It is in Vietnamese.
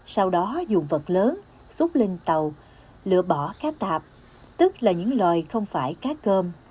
sau đó dùng vật lớn xúc lên tàu lửa bỏ cá tạp tức là những loài không phải cá cơm